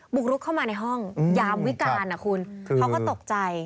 กรุกเข้ามาในห้องยามวิการนะคุณเขาก็ตกใจ